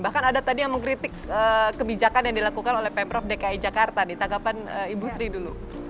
bahkan ada tadi yang mengkritik kebijakan yang dilakukan oleh pemprov dki jakarta di tanggapan ibu sri dulu